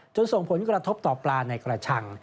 ส่งผลกระทบต่อปลาในกระชัง